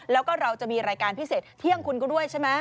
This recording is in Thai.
แล้วก็เราจะมีรายการพิเศษเที่ยงคุณก็ด้วยใช่ไหม